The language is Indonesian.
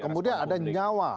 kemudian ada nyawa